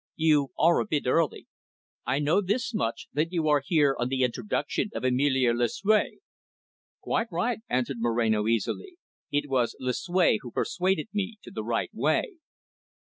You are a bit early. I know this much, that you are here on the introduction of Emilio Lucue." "Quite right," answered Moreno easily. "It was Lucue who persuaded me to the right way."